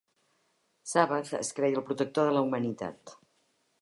Sabbath es creia el protector de la humanitat.